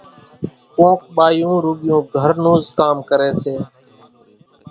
ڪونڪ ٻايُون رُوڳِيون گھر نوز ڪام ڪريَ سي